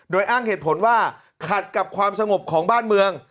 โดยอ้างเหตุผลว่าขัดกับความสงบของบ้านเมือง